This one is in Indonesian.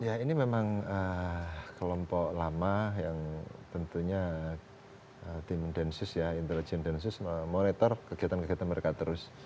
ya ini memang kelompok lama yang tentunya tim densus ya intelijen densus monitor kegiatan kegiatan mereka terus